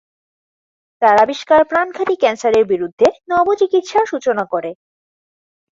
তার আবিষ্কার প্রাণঘাতী ক্যান্সারের বিরুদ্ধে নব চিকিৎসার সুচনা করে।